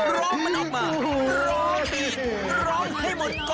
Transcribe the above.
ร้องมันออกมาร้องให้หมดก๊อบ